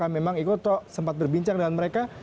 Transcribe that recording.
memang eko sempat berbincang dengan mereka